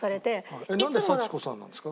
なんでさち子さんなんですか？